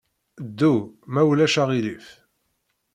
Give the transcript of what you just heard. Ddu, ma ulac aɣilif!